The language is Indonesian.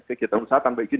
kegiatan usaha tanpa izin